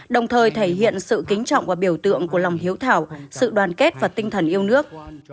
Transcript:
đồng thời thể hiện sự kính trọng và biểu tượng của lòng hiếu thảo sự đoàn kết và tinh thần yêu nước